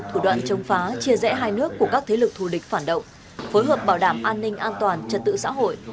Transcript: thủ đoạn chống phá chia rẽ hai nước của các thế lực thù địch phản động phối hợp bảo đảm an ninh an toàn trật tự xã hội